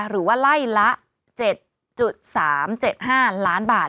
หรือว่าไล่ละ๗๓๗๕ล้านบาท